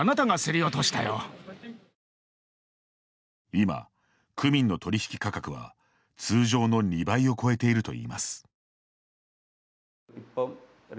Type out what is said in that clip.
今、クミンの取引価格は通常の２倍を超えているといいます。